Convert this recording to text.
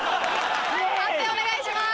判定お願いします。